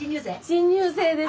新入生です。